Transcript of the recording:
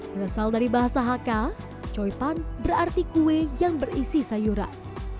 berasal dari bahasa hakka choy pan berarti kue yang berisi sayuran